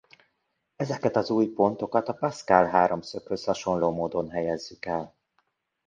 Ezeket az új pontokat a Pascal-háromszöghöz hasonló módon helyezzük el.